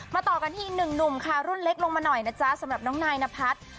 ต่อกันที่อีกหนึ่งหนุ่มค่ะรุ่นเล็กลงมาหน่อยนะจ๊ะสำหรับน้องนายนพัฒน์